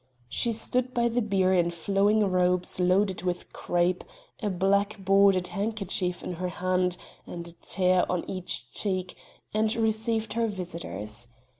She stood by the bier in flowing robes loaded with crape, a black bordered handkerchief in her hand, and a tear on each cheek, and received her visitors.